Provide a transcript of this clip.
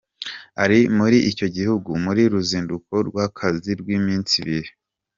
Ari muri icyo gihugu mu ruzinduko rw’akazi rw’iminsi ibiri.